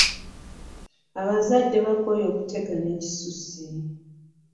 Abazadde bakooye okutegana ekisusse.